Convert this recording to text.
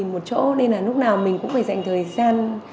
một chỗ nên là lúc nào mình cũng phải dành thời gian